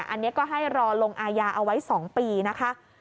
อันนี้ก็ให้รอลงอายาเอาไว้๒ปีนะคะ